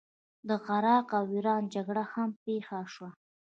د عراق او ایران جګړه هم پیښه شوه.